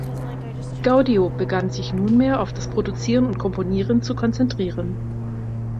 Gaudio begann sich nun mehr auf das Produzieren und Komponieren zu konzentrieren.